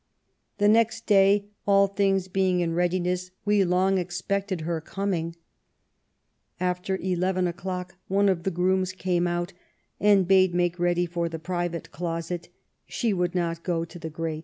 The next day, all things being in readi ness, we long expected her coming. After eleven o'clock one of the grooms came out and bade make ready for the private closet ; she would not go to the g^eat.